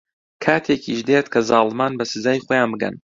کاتێکیش دێت کە زاڵمان بە سزای خۆیان بگەن.